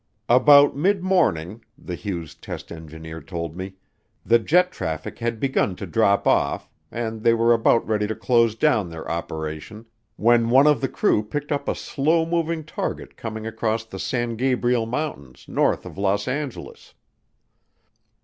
About midmorning, the Hughes test engineer told me, the jet traffic had begun to drop off, and they were about ready to close down their operation when one of the crew picked up a slow moving target coming across the San Gabriel Mountains north of Los Angeles.